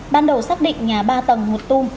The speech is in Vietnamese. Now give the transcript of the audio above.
ban đầu xác định nhà ba tầng một tung